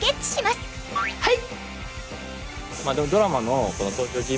はい！